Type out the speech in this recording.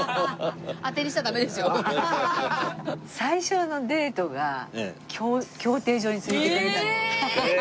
最初のデートが競艇場に連れて行かれたんです。